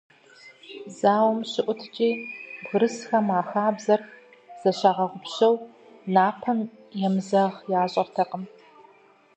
Зауэм щыӀуткӀи, бгырысхэм, а хабзэр зыщагъэгъупщэу, напэм емызэгъ ящӀэртэкъым.